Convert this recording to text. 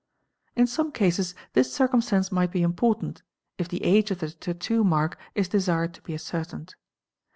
In some cases this circumstance might be important, if the age of the tattoo mark is desired to be ascertained.